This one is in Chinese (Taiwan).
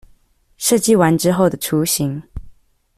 設計完之後的雛形